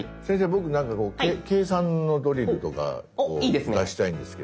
僕なんかこう計算のドリルとかを出したいんですけど。